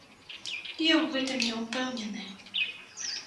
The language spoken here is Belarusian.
Я ў гэтым не ўпэўнены.